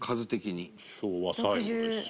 昭和最後ですしね。